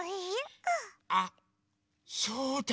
あそうだ！